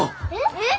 えっ！？